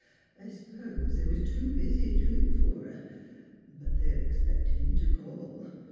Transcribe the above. I s'pose they was too busy doin' fer her. But they'll expect him to call.